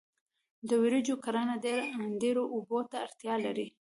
د وریجو کرنه ډیرو اوبو ته اړتیا لري.